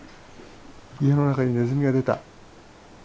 家の中にネズミが出た。